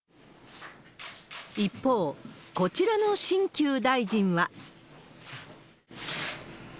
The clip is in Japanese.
一方、こちらの新旧大臣は。